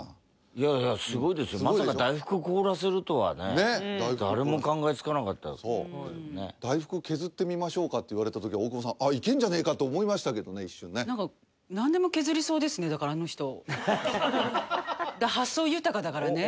いやいやすごいですよまさか大福を凍らせるとはね誰も考えつかなかったねっ「大福削ってみましょうか」って言われた時は大久保さんあっいけんじゃねえかって思いましたけどね一瞬ね何か発想豊かだからね